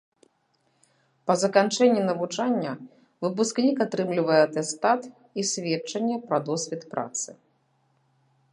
Па заканчэнні навучання выпускнік атрымлівае атэстат і сведчанне пра досвед працы.